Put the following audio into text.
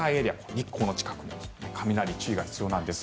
日光の近くも雷、注意が必要なんです。